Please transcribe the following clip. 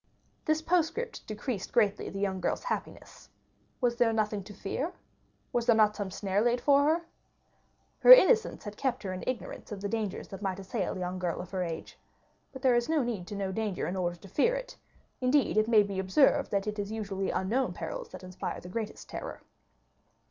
This postscript decreased greatly the young girl's happiness. Was there nothing to fear? was there not some snare laid for her? Her innocence had kept her in ignorance of the dangers that might assail a young girl of her age. But there is no need to know danger in order to fear it; indeed, it may be observed, that it is usually unknown perils that inspire the greatest terror.